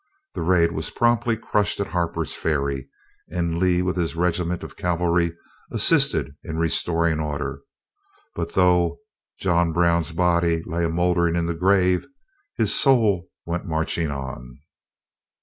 This raid was promptly crushed at Harper's Ferry, and Lee with his regiment of cavalry assisted in restoring order, but though "John Brown's body lay a'mouldering in the grave. His soul went marching on."